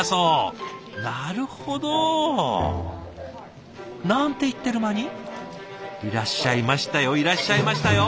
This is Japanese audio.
なるほど！なんて言ってる間にいらっしゃいましたよいらっしゃいましたよ！